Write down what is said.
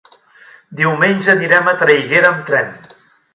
Diumenge anirem a Traiguera amb tren.